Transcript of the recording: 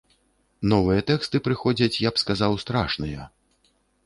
Новыя тэксты прыходзяць, я б сказаў, страшныя.